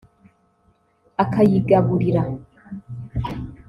akayigaburira